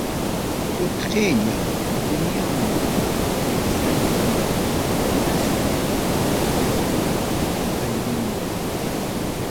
Utqayllam wiñanku, sisarinku, hinaspa pawayta qallarinku.